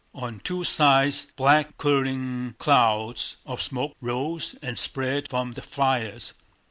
On two sides black curling clouds of smoke rose and spread from the fires.